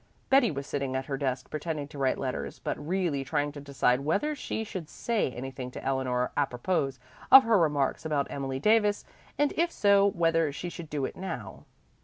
Betty was sitting at her desk pretending to write letters, but really trying to decide whether she should say anything to Eleanor apropos of her remarks about Emily Davis, and if so, whether she should do it now.